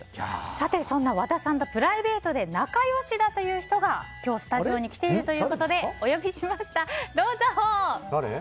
さて、そんな和田さんとプライベートで仲良しだという人が今日、スタジオに来ているということでお呼びしました。